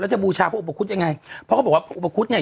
แล้วจะบูชาพระอุปกรุษยังไงเพราะเขาบอกว่าพระอุปกรุษเนี่ย